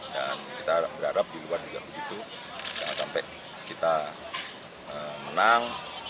dan kita berharap di luar juga begitu jangan sampai kita menang